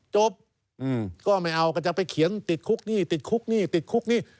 จบก็ไม่เอาก็จะไปเขียนติดคุกหนี้ติดคุกหนี้ติดคุกนี่